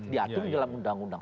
diatur dalam undang undang